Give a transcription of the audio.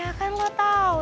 ya kan gue tau